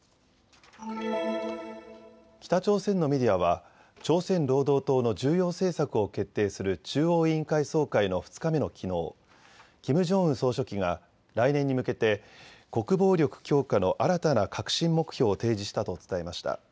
北朝鮮のメディアは朝鮮労働党の重要政策を決定する中央委員会総会の２日目のきのう、キム・ジョンウン総書記が来年に向けて国防力強化の新たな核心目標を提示したと伝えました。